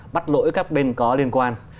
bắt lỗi các bên có liên quan